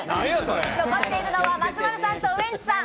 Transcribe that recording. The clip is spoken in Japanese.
残っているのは松丸さんとウエンツさん。